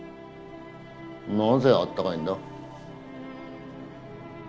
なぜあったかいんだ？